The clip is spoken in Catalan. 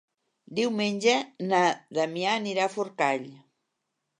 Diumenge na Damià anirà a Forcall.